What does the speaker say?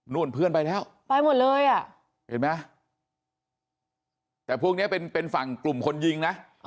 เพื่อนไปแล้วไปหมดเลยอ่ะเห็นไหมแต่พวกนี้เป็นฝั่งกลุ่มคนยิงนะ